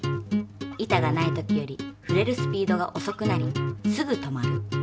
板がない時より振れるスピードが遅くなりすぐ止まる。